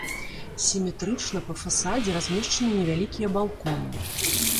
Сіметрычна па фасадзе размешчаны невялікія балконы.